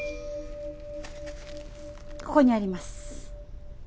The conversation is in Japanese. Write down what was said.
ここにあります。